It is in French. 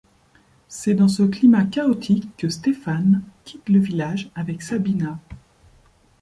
C'est dans ce climat chaotique que Stéphane quitte le village avec Sabina.